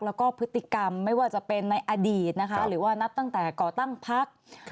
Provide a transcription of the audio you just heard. แล้วก็พฤติกรรมไม่ว่าจะเป็นในอดีตนะคะหรือว่านับตั้งแต่ก่อตั้งพัก